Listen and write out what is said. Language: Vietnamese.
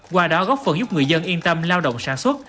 qua đó góp phần giúp người dân yên tâm lao động sản xuất